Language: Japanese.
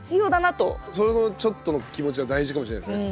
そのちょっとの気持ちは大事かもしれないですね。